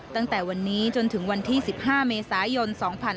ตั้งแต่วันนี้จนถึงวันที่๑๕เมษายน๒๕๕๙